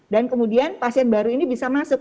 dan kemudian pasien baru ini bisa masuk